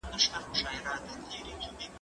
زه کولای سم د کتابتون د کار مرسته وکړم!؟